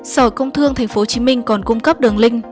sở công thương tp hcm còn cung cấp đường link